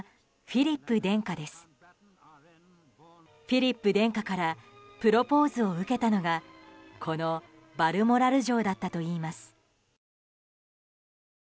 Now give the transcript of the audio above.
フィリップ殿下からプロポーズを受けたのがこのバルモラル城だったといいます。